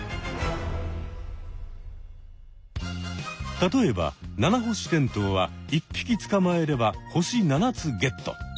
例えばナナホシテントウは１ぴきつかまえれば星７つゲット！